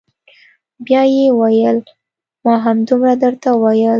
بيا يې وويل ما همدومره درته وويل.